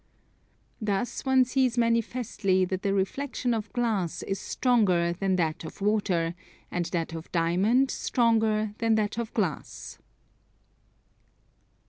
Thus one sees manifestly that the reflexion of glass is stronger than that of water, and that of diamond stronger than that of glass.